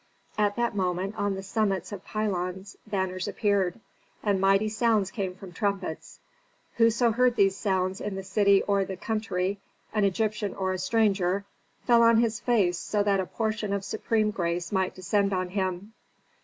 At that moment on the summits of pylons banners appeared, and mighty sounds came from trumpets. Whoso heard these sounds in the city or the country, an Egyptian or a stranger, fell on his face so that a portion of supreme grace might descend on him.